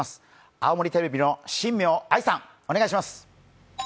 青森テレビの新名真愛さん、お願いします。